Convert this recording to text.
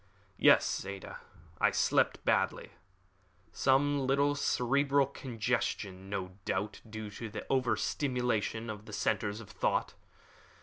"Yes, Ada; I slept badly. Some little cerebral congestion, no doubt due to over stimulation of the centers of thought.